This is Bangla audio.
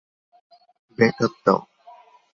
ব্যাক আপ দাও!